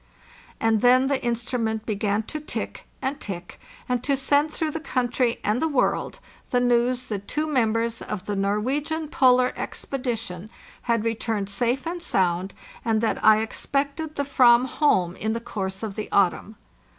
And then the instrument began to tick and tick and to send through the country and the world the news that two members of the Norwegian Polar Expedi tion had returned safe and sound, and that I expected the vam home in the course of the autumn.